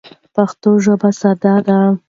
پښتو ژبه ساده ده.